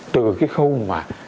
từ cái khâu mà